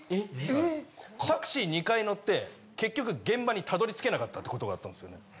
・タクシー２回乗って結局現場にたどり着けなかったってことがあったんですよね。